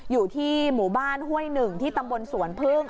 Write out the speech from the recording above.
อยู่ที่หมู่บ้านห้วยหนึ่งที่ตำบลสวนพึ่ง